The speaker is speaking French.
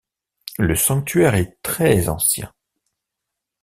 Le sanctuaire est très ancien.